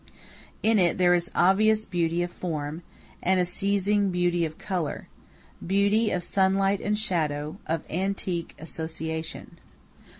In it there is obvious beauty of form, and a seizing beauty of color, beauty of sunlight and shadow, of antique association.